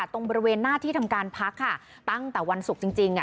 ตรงบริเวณหน้าที่ทำการพักค่ะตั้งแต่วันศุกร์จริง